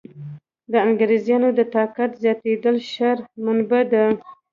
د انګرېزانو د طاقت زیاتېدل شر منبع ده.